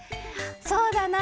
そうだな